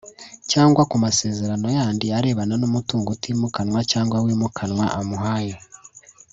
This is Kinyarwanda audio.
cyangwa ku masezerano yandi arebana n’umutungo utimukanwa cyangwa wimukanwa amuhaye